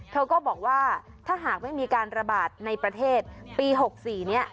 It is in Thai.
เธอก็บอกว่าถ้าหากไม่มีการระบาดในประเทศปี๖๔นี้